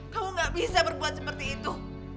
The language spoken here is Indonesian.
kamu gak bisa berbuat seperti itu